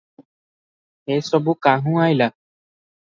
ଏ ସବୁ କାହୁଁ ଅଇଲା?"